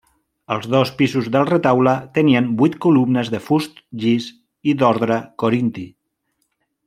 Els dos pisos del retaule tenien vuit columnes de fust llis i d’ordre corinti.